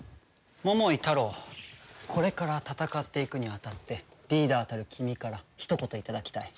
桃井タロウこれから戦っていくに当たってリーダーたる君からひと言いただきたい。